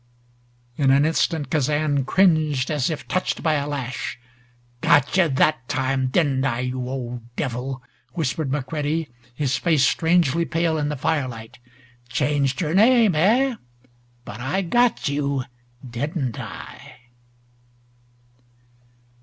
In an instant Kazan cringed as if touched by a lash. "Got you that time didn't I, you old devil!" whispered McCready, his face strangely pale in the firelight. "Changed your name, eh? But I got you didn't I?"